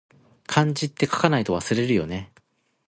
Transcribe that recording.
漢字って、書かないと忘れるよね